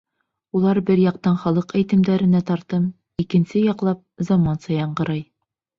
Улар, бер яҡтан, халыҡ әйтемдәренә тартым, икенсе яҡлап, заманса яңғырай.